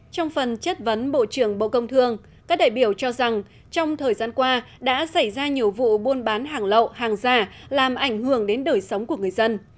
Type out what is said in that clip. trong phần chất vấn bộ trưởng bộ công thương các đại biểu cho rằng trong thời gian qua đã xảy ra nhiều vụ buôn bán hàng lậu hàng giả làm ảnh hưởng đến đời sống của người dân